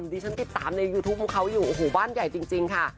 ที่ฉันติดตามในยูทูปของเขาอยู่โอ้โหบ้านใหญ่จริงค่ะ